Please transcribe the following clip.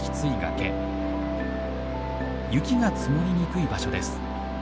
雪が積もりにくい場所です。